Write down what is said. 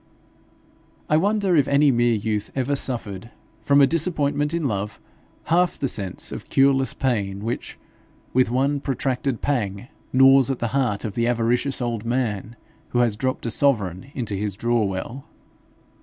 I wonder if any mere youth ever suffered, from a disappointment in love, half the sense of cureless pain which, with one protracted pang, gnaws at the heart of the avaricious old man who has dropt a sovereign into his draw well.